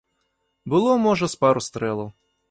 Было, можа, з пару стрэлаў.